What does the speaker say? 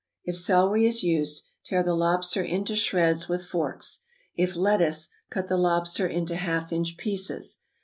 If celery is used, tear the lobster into shreds with forks; if lettuce, cut the lobster into half inch pieces.